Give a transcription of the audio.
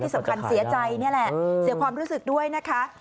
สำคัญเสียใจนี่แหละเสียความรู้สึกด้วยนะคะ